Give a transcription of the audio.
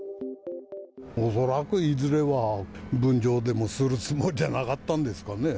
恐らく、いずれは分譲でもするつもりじゃなかったんですかね。